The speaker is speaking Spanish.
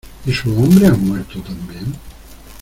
¿ y sus hombres han muerto también?